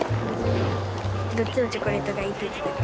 どっちのチョコレートがいいって言ってた？